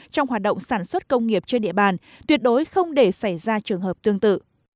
trong hoạt động sản xuất công nghiệp trên địa bàn tuyệt đối không để xảy ra trường hợp tương tự